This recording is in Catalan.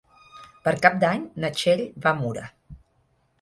Per Cap d'Any na Txell va a Mura.